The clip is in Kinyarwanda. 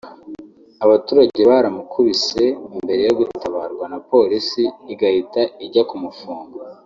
abaturage baramukubise mbere yo gutabarwa na Polisi igahita ijya kumufunga